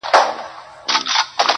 د مرگي راتلو ته، بې حده زیار باسه